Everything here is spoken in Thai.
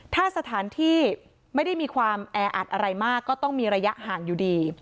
ถ้าสถานที่ไม่ได้มีความแออัดอะไรมากก็ต้องมีระยะห่างอยู่ดี